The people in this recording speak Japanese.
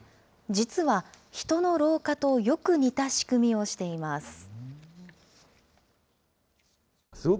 実は、人の老化とよく似た仕組みをしています。